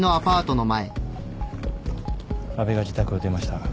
阿部が自宅を出ました。